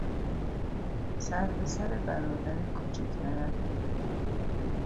سر به سر برادر کوچکترت نگذار!